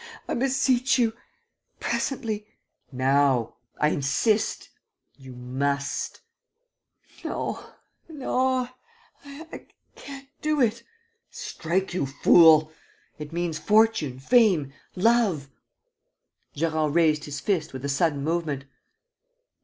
... I beseech you ... presently. ..." "Now. ... I insist ... you must ..." "No ... no ... I can't do it. ..." "Strike, you fool! It means fortune, fame, love. ..." Gérard raised his fist with a sudden movement.